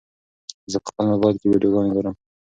زه په خپل موبایل کې ویډیوګانې ګورم.